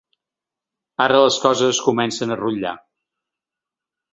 Ara les coses comencen a rutllar.